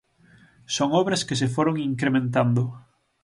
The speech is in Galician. Son obras que se foron incrementando.